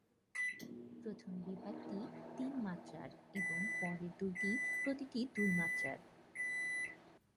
প্রথম বিভাগটি তিন মাত্রার এবং পরের দুটি প্রতিটি দুই মাত্রার।